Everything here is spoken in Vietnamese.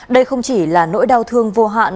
đây không chỉ là nỗi đau thương vô hạn